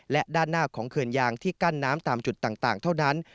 และด้านหน้าของเขื่อนยางที่กั้นน้ำตามจุดต่างเท่านั้น